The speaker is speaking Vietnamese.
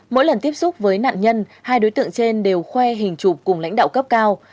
mỗi lần tiếp xúc với nạn nhân hai đối tượng trên đều khoe hình chụp cùng lãnh đạo cấp cao